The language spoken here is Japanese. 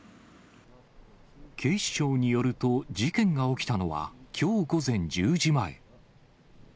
警視庁によると、事件が起きたのは、きょう午前１０時前。